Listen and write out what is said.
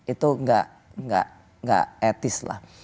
itu nggak etis lah